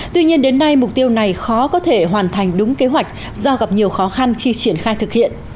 tuy nhiên đến nay mục tiêu này khó có thể hoàn thành đúng kế hoạch do gặp nhiều khó khăn khi triển khai thực hiện